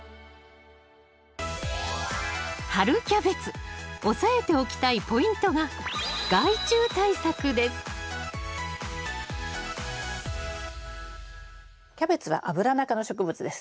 春キャベツ押さえておきたいポイントがキャベツはアブラナ科の植物です。